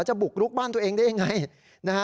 จะบุกรุกบ้านตัวเองได้ยังไง